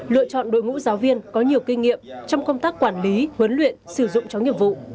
lựa chọn đội ngũ giáo viên có nhiều kinh nghiệm trong công tác quản lý huấn luyện sử dụng chó nghiệp vụ